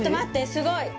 すごい！